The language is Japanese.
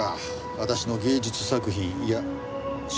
私の芸術作品いや写真を。